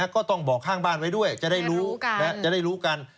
ก็ต้องบอกข้างบ้านไว้ด้วยจะได้รู้จะได้รู้กัน